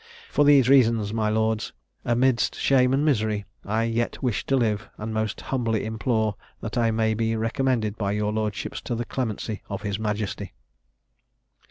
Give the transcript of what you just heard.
For these reasons, my lords, amidst shame and misery, I yet wish to live; and most humbly implore, that I may be recommended by your lordship to the clemency of his majesty."